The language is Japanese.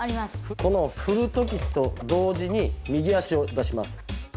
このふるときと同時に右足を出します。